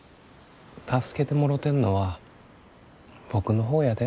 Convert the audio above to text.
助けてもろてんのは僕の方やで。